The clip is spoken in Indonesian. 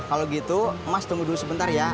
kalau gitu mas tunggu dulu sebentar ya